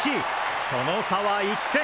その差は１点！